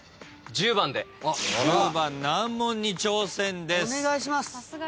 １０番難問に挑戦です。